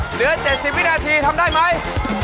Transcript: เหลือ๗๐วินาทีทำได้ไหม